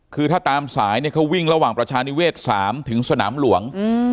คือถ้าตามสายเนี่ยเขาวิ่งระหว่างประชานิเวศ๓ถึงสนามหลวง